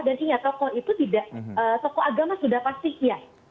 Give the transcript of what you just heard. dan sehingga tokoh itu tidak tokoh agama sudah pasti iya